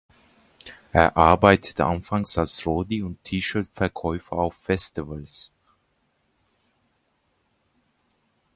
Er arbeitete anfangs als Roadie und T-Shirt-Verkäufer auf Festivals.